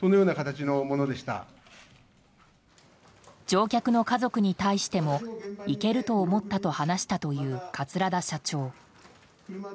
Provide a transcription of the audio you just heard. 乗客の家族に対しても行けると思ったと話したという桂田社長。